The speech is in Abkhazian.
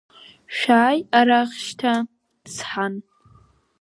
Шәааи арахь шьҭа, сҳан…